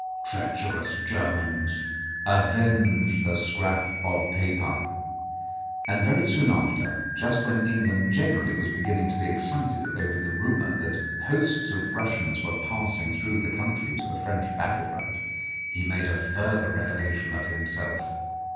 Treacherous Germans. Avenge the scrap of paper," and very soon after, just when England generally was beginning to be excited over the rumour that hosts of Russians were passing through the country to the French battle front, he made a further revelation of himself.